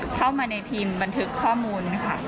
เข้ามาในพิมพ์บันทึกข้อมูลค่ะ